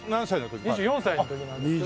２４歳の時なんですけど。